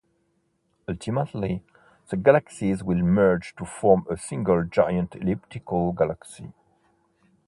Ultimately, the galaxies will merge to form a single giant elliptical galaxy.